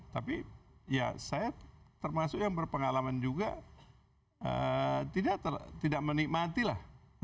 tapi ya saya termasuk yang berpengalaman juga tidak menikmati lah